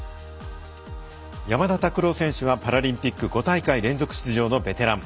山田拓朗選手はパラリンピック５大会連続出場のベテラン。